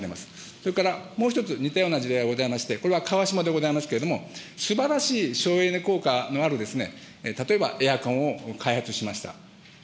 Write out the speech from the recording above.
それからもう一つ似たような事例がございまして、これはかわしまでございますけれども、すばらしい省エネ効果のある例えばエアコンを開発しました。